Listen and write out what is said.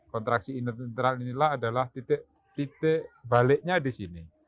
kontraksi internal inilah adalah titik baliknya di sini